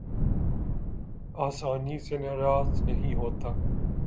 آسانی سے ناراض نہیں ہوتا